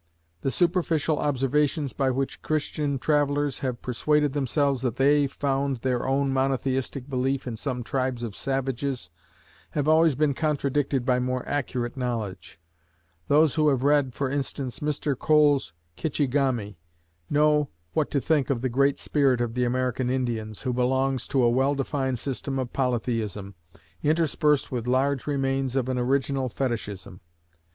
The superficial observations by which Christian travellers have persuaded themselves that they found their own Monotheistic belief in some tribes of savages, have always been contradicted by more accurate knowledge: those who have read, for instance, Mr Kohl's Kitchigami, know what to think of the Great Spirit of the American Indians, who belongs to a well defined system of Polytheism, interspersed with large remains of an original Fetichism.